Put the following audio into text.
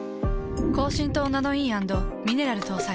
高浸透ナノイー＆ミネラル搭載。